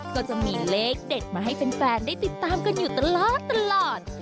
ก็จะมีเลขเด็ดมาให้แฟนได้ติดตามกันอยู่ตลอด